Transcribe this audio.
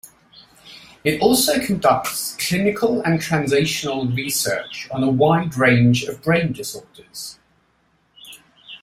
It also conducts clinical and translational research on a wide range of brain disorders.